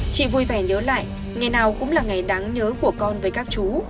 chị vui vẻ nhớ lại ngày nào cũng là ngày đáng nhớ của con với các chú